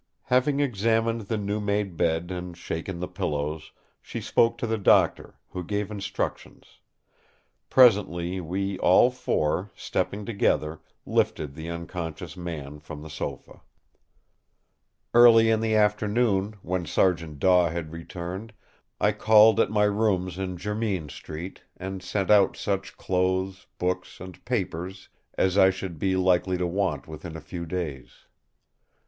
Having examined the new made bed and shaken the pillows, she spoke to the Doctor, who gave instructions; presently we all four, stepping together, lifted the unconscious man from the sofa. Early in the afternoon, when Sergeant Daw had returned, I called at my rooms in Jermyn Street, and sent out such clothes, books and papers as I should be likely to want within a few days.